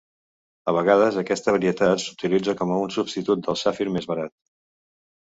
A vegades aquesta varietat s'utilitza com a un substitut del safir més barat.